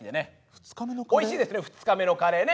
おいしいですね２日目のカレーね。